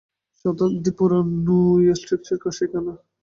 শতাব্দী পুরোনো স্টকইয়ার্ডস এবং কসাইখানা।